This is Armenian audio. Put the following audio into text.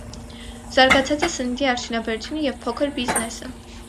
Զարգացած է սննդի արդյունաբերությունը և փոքր բիզնեսը։